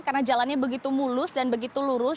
karena jalannya begitu mulus dan begitu lurus